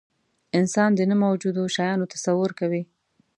انسان د نه موجودو شیانو تصور کوي.